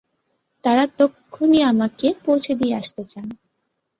তাঁরা তক্ষুনি আমাকে পৌঁছে দিয়ে আসতে চান।